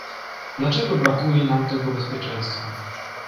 Dlaczego brakuje nam tego bezpieczeństwa?